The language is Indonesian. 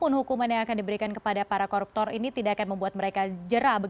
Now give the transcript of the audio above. untuk mencegah terjadinya korupsi karena tuntutan penelitian